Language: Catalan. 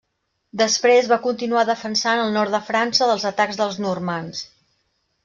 Després va continuar defensant el nord de França dels atacs dels normands.